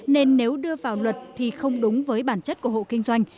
nên nếu đưa vào luật thì không đúng với bản chất của hộ kinh doanh